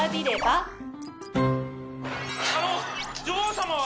あの女王様は？